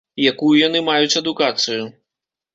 Якую яны маюць адукацыю?